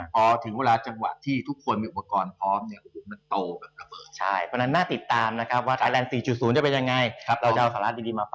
พอถึงเวลาจังหวะที่ทุกคนมีอุปกรณ์พร้อมเนี่ย